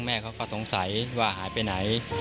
แม่เขาก็สงสัยว่าหายไปไหน